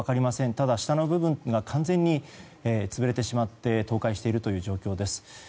ただ、下の部分が完全に潰れてしまって倒壊している状況です。